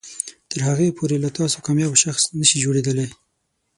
تر هغې پورې له تاسو کاميابه شخص نشي جوړیدلی